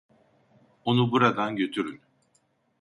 Onu buradan götürün.